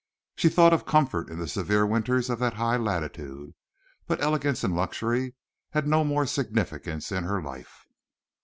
She thought of comfort in the severe winters of that high latitude, but elegance and luxury had no more significance in her life.